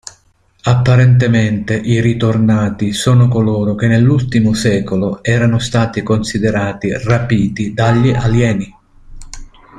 Apparentemente i "ritornati" sono coloro che nell'ultimo secolo erano stati considerati "rapiti" dagli alieni.